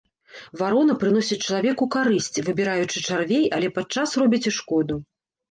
Варона прыносіць чалавеку карысць, выбіраючы чарвей, але падчас робіць і шкоду.